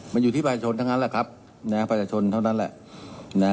มันอยู่ที่ประชาชนทั้งนั้นแหละครับประชาชนเท่านั้นแหละ